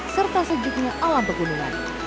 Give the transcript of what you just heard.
serta sejuknya alam pegunungan